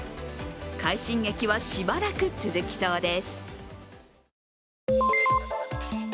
快進撃はしばらく続きそうです。